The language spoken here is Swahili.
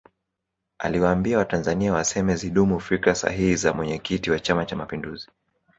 aliwaambia watanzania waseme zidumu fikra sahihi za mwenyekiti wa chama cha mapinduzi